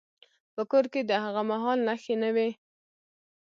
په کور کې د هغه مهال نښې نه وې.